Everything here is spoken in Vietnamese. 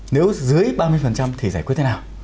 nếu dưới ba mươi thì giải quyết thế nào